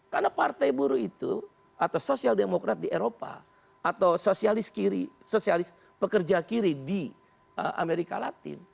karena partai baru itu atau sosial demokrat di eropa atau sosialis kiri sosialis pekerja kiri di amerika latin